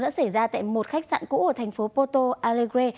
lúc nãy xảy ra tại một khách sạn cũ ở thành phố porto alegre